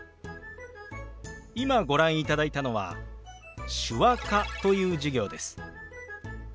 今ご覧いただいたのは手話科という授業です。